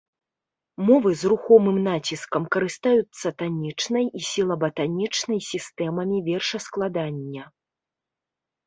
Мовы з рухомым націскам карыстаюцца танічнай і сілаба-танічнай сістэмамі вершаскладання.